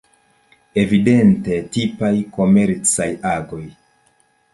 Evidente tipaj komercaj agoj.